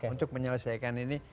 untuk menyelesaikan ini